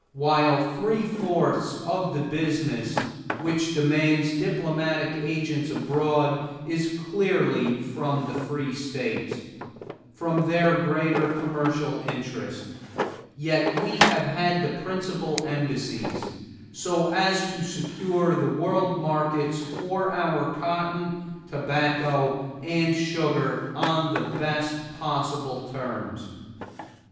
While three fourths of the business which demands diplomatic agents abroad is clearly from the free states, from their greater commercial interest, yet we have had the principal embassies, so as to secure the world markets for our cotton, tobacco, and sugar on the best possible terms.